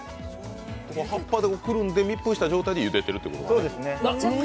葉っぱでくるんで密封した状態で茹でてるってこと。